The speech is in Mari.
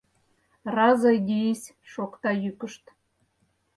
Ра-а-зойди-и-сь! — шокта йӱкышт.